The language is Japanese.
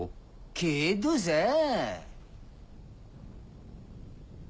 けどさぁ。